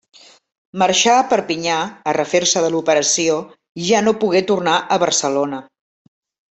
Marxà a Perpinyà a refer-se de l'operació i ja no pogué tornar a Barcelona.